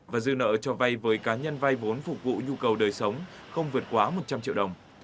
và dư nợ cho vay với cá nhân vay vốn phục vụ nhu cầu đời sống không vượt quá một trăm linh triệu đồng